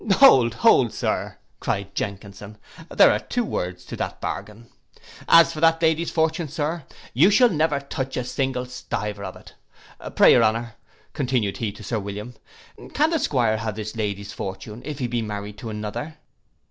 '—'Hold, hold, Sir,' cried Jenkinson, 'there are two words to that bargain. As for that lady's fortune, Sir, you shall never touch a single stiver of it. Pray your honour,' continued he to Sir William, 'can the 'Squire have this lady's fortune if he be married to another?